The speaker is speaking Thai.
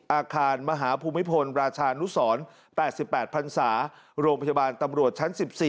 อาคารมหาภูมิพลราชานุสร๘๘พันศาโรงพยาบาลตำรวจชั้น๑๔